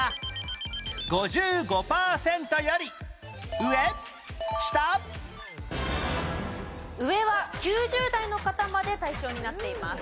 上は９０代の方まで対象になっています。